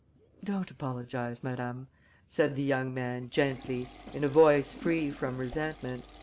"Don't apologize, madame," said the young man, gently, in a voice free from resentment.